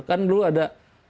kan dulu ada